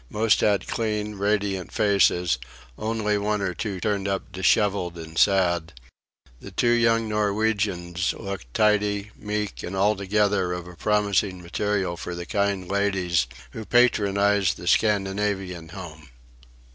Most had clean, radiant faces; only one or two turned up dishevelled and sad; the two young Norwegians looked tidy, meek, and altogether of a promising material for the kind ladies who patronise the Scandinavian Home.